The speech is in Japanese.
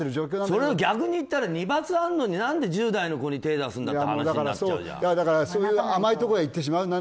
それを逆に言ったら２バツあるのに何で１０代の子に手を出すんだっていう話になっちゃうじゃん。